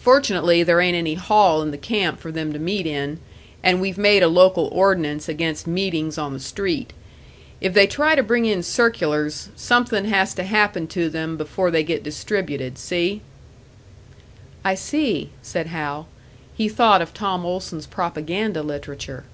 Fortunately there ain't any hall in the camp for them to meet in, and we've made a local ordinance against meetings on the street. If they try to bring in circulars, something has to happen to them before they get distributed. See?" "I see," said Hal; he thought of Tom Olson's propaganda literature!